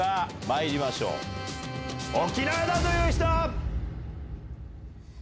まいりましょう沖縄だという人！